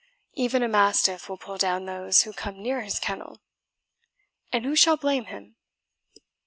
Even a mastiff will pull down those who come near his kennel; and who shall blame him?"